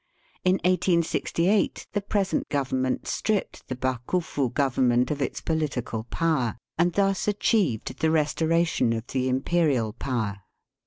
In 1868 the present Government stripped the Bakufu Government of its politi cal power, and thus achieved the restoration of the imperial power.